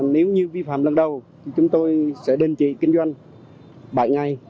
nếu như vi phạm lần đầu chúng tôi sẽ đơn chỉ kinh doanh bảy ngày